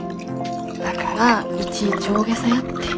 だからいちいち大げさやって。